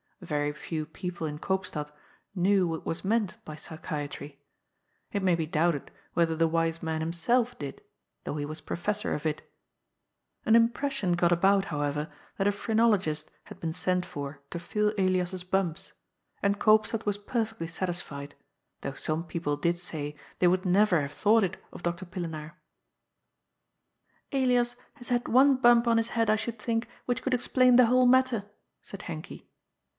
Very few people in Koopstad knew what was meant by psychiatry ; it may be doubted whether the wise man himself did, though he was professor of it. An impression got about, however, that a phrenologist had been sent for to feel Elias's bumps, and Koopstad was perfectly satisfied, though some people did say they would never have thought it of Doctor Pille naar. ^' Elias has had one bump on his head, I should think, which could explain the whole matter," said Henkie.